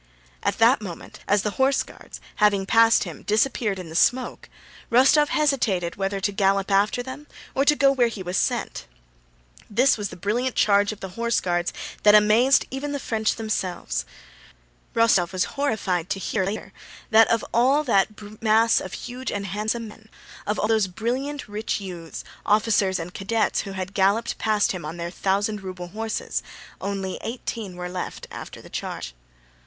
At that moment, as the Horse Guards, having passed him, disappeared in the smoke, Rostóv hesitated whether to gallop after them or to go where he was sent. This was the brilliant charge of the Horse Guards that amazed the French themselves. Rostóv was horrified to hear later that of all that mass of huge and handsome men, of all those brilliant, rich youths, officers and cadets, who had galloped past him on their thousand ruble horses, only eighteen were left after the charge.